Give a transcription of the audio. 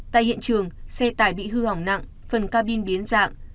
tại hiện trường xe tải bị hư hỏng nặng phần cabin biến dạng